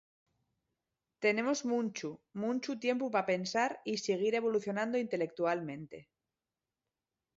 Tenemos munchu, munchu tiempu pa pensar y siguir evolucionando intelectualmente.